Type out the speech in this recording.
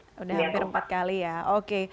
sudah hampir empat kali ya oke